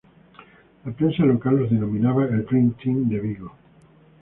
La prensa local los denominaba el Dream Team de Vigo.